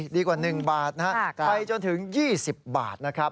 ดีกว่า๑บาทนะครับไปจนถึง๒๐บาทนะครับ